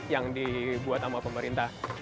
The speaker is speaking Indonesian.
yang dibuat sama pemerintah